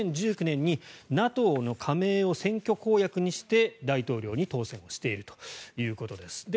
２０１９年にＮＡＴＯの加盟を選挙公約にして、大統領に当選しているということです。